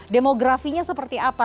demografinya seperti apa